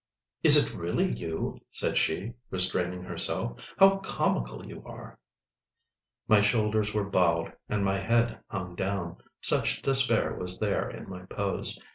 "Is it really you?" said she, restraining herself. "How comical you are!" My shoulders were bowed, and my head hung down—such despair was there in my pose.